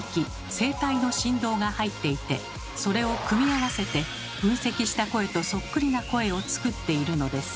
「声帯の振動」が入っていてそれを組み合わせて分析した声とそっくりな声を作っているのです。